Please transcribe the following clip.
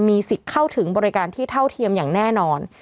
มีสิทธิ์เข้าถึงบริการที่เท่าเทียมอย่างแน่นอน